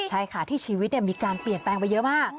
ใช่ค่ะที่ชีวิตมีการเปลี่ยนแปลงไปเยอะมาก